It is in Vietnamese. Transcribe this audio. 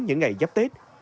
những ngày dắp tết